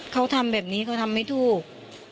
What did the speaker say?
เขาทำแบบนี้เขาทำไม่ถูก